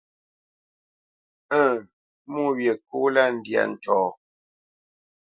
Ə̂ŋ mwô wyê kó lâ ndyâ ntɔ̌.